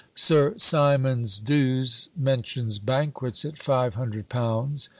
Sir Symonds D'Ewes mentions banquets at five hundred pounds.